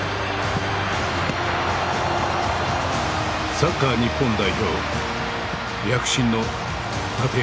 サッカー日本代表躍進の立て役者だ。